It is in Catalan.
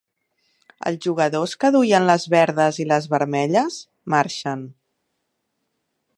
Els jugadors que duien les verdes i les vermelles marxen.